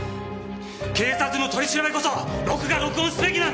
警察の取り調べこそ録画録音すべきなんだよ！